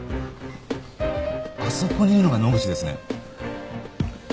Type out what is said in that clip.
あそこにいるのが野口ですね。